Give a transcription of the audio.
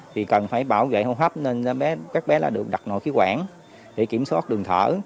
thì cần phải bảo vệ hông hấp nên các bé đã được đặt nội khí quản để kiểm soát đường thở